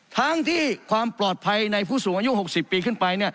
ทั้งที่ความปลอดภัยในผู้สูงอายุ๖๐ปีขึ้นไป